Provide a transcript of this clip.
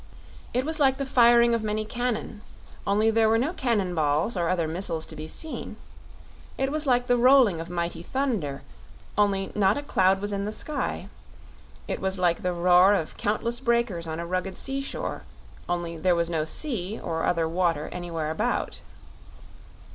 It was like the firing of many cannon, only there were no cannon balls or other missiles to be seen; it was like the rolling of mighty thunder, only not a cloud was in the sky; it was like the roar of countless breakers on a rugged seashore, only there was no sea or other water anywhere about.